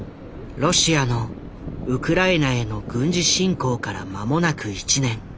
ロシアのウクライナへの軍事侵攻から間もなく１年。